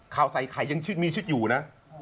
ข่าวใส่ไข่ยังมีชีวิตอยู่นะ